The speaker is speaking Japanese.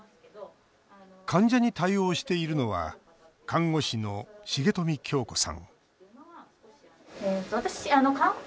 患者に対応しているのは看護師の重冨杏子さん